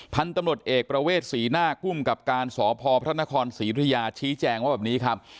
พันธุ์ตำรวจเอกประเวทศรีนาคภูมิกับการสพพระนครศรีธุยาชี้แจงว่าแบบนี้ครับ